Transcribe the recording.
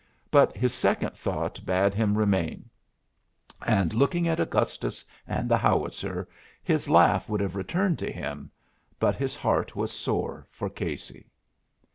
But his second thought bade him remain; and looking at Augustus and the howitzer, his laugh would have returned to him; but his heart was sore for Casey.